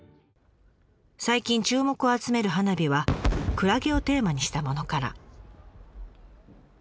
最近注目を集める花火はクラゲをテーマにしたものから。